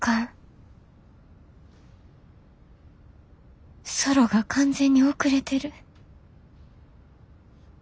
心の声ソロが完全に遅れてる。